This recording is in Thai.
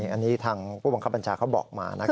อันนี้ทางผู้บังคับบัญชาเขาบอกมานะครับ